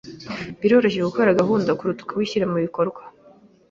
Biroroshye gukora gahunda kuruta kuyishyira mubikorwa.